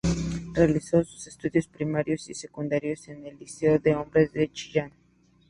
Realizó sus estudios primarios y secundarios en el Liceo de Hombres de Chillán.